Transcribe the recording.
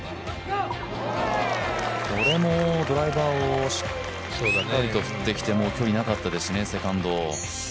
これもドライバーをしっかりと振ってきて、距離なかったですしね、セカンド。